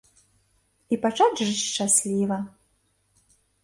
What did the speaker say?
І пачаць жыць шчасліва.